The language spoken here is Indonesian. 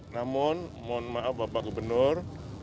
namun mohon maaf bapak gubernur